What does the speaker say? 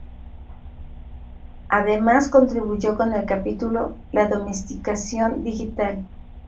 Además contribuyó con el capítulo "La domesticación digital.